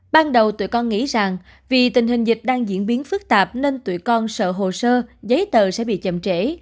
ban đầu tụi con nghĩ rằng vì tình hình dịch đang diễn biến phức tạp nên tụi con sợ hồ sơ giấy tờ sẽ bị chậm trễ